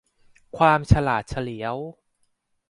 ความฉลาดเฉลียว